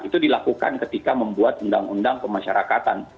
itu dilakukan ketika membuat undang undang pemasyarakatan